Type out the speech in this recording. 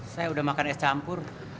saya udah makan es campur